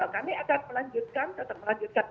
kami akan melanjutkan tetap melanjutkan